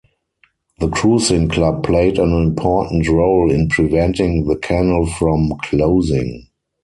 The cruising club played an important role in preventing the canal from closing.